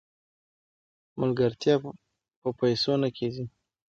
ملګرتیا په پیسو نه کیږي.